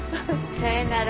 さようなら。